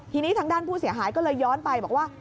ทีนี้ทางด้านผู้เสียหายก็เลยย้อนไปบอกว่า